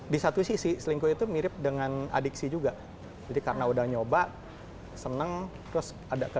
di satu sisi selingkuh itu mirip dengan adiksi juga jadi karena udah nyoba seneng terus ada ke